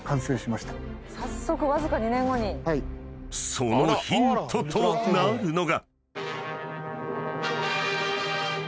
［そのヒントとなるのが］